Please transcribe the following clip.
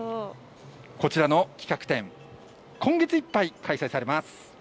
こちらの企画展、今月いっぱい開催されます。